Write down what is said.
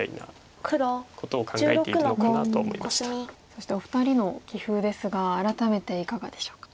そしてお二人の棋風ですが改めていかがでしょうか？